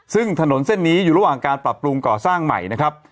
ซึ่งถนนเส้นนี้อยู่ระหว่างการปรับปรุงก่อสร้างใหม่นะครับ